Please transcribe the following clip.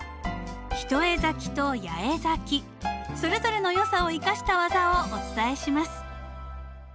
一重咲きと八重咲きそれぞれのよさを生かした技をお伝えします。